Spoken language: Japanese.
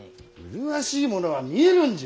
麗しいものは見えるんじゃ！